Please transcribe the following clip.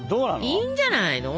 いいんじゃないの？